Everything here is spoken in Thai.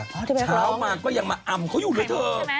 อ๋อที่ไปร้องเลยไข่มุกใช่ไหมช้ามาก็ยังมาอำเขาอยู่เลยเธอ